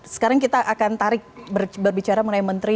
sekarang kita akan tarik berbicara mengenai menteri